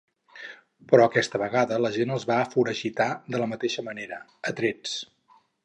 Però aquesta vegada la gent els va foragitar de la mateixa manera, a trets.